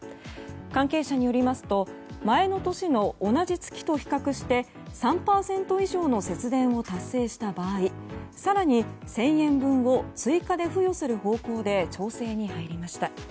関係者によりますと前の年の同じ月と比較して３％以上の節電を達成した場合更に１０００円分を追加で付与する方向で調整に入りました。